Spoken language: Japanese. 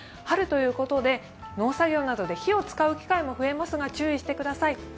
春ということで農作業などで火を使う機会も増えますが注意してください。